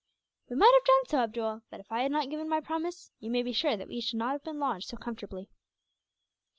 "We might have done so, Abdool; but if I had not given my promise, you may be sure that we should not have been lodged so comfortably."